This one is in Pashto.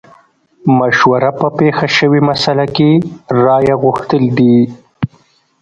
مشوره په پېښه شوې مسئله کې رايه غوښتل دي.